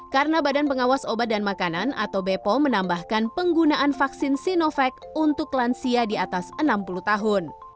karena badan pengawas obat dan makanan atau bepo menambahkan penggunaan vaksin sinovac untuk lansia di atas enam puluh tahun